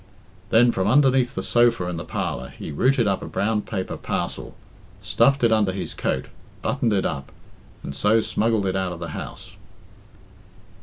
Then from underneath the sofa in the parlour he rooted up a brown paper parcel, stuffed it under his coat, buttoned it up, and so smuggled it out of the house.